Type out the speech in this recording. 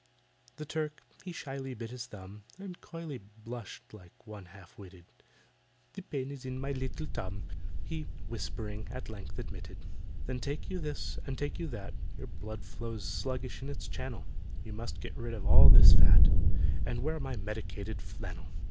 The Turk he shyly bit his thumb, And coyly blushed like one half witted, "The pain is in my little tum," He, whispering, at length admitted. "Then take you this, and take you that— Your blood flows sluggish in its channel— You must get rid of all this fat, And wear my medicated flannel.